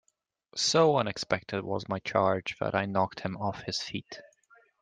So unexpected was my charge that I knocked him off his feet.